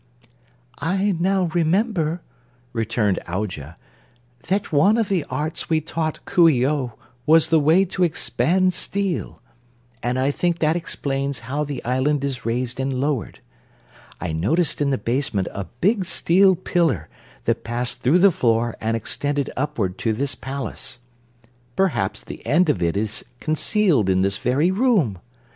"I now remember," returned Aujah, "that one of the arts we taught Coo ee oh was the way to expand steel, and I think that explains how the island is raised and lowered. I noticed in the basement a big steel pillar that passed through the floor and extended upward to this palace. Perhaps the end of it is concealed in this very room.